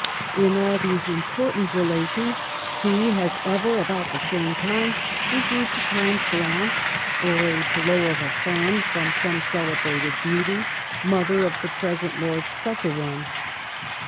In all these important relations he has ever about the same time received a kind glance, or a blow of a fan from some celebrated beauty, mother of the present Lord Such a one.